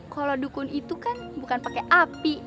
kalau dukun itu kan bukan pakai api